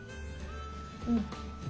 うん。